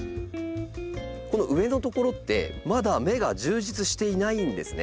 この上の所ってまだ芽が充実していないんですね。